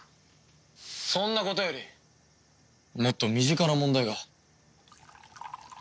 そんなことよりもっと身近な問題が。